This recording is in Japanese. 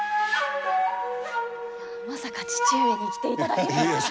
まさか父上に来ていただけるとは。